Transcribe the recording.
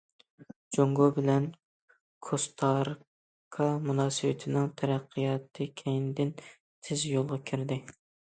جۇڭگو بىلەن كوستارىكا مۇناسىۋىتىنىڭ تەرەققىياتى كەينىدىن« تېز يولغا» كىردى.